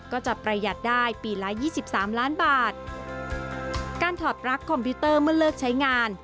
การถอดปรักคคมพิวเตอร์เมื่อเลิกใช้งาน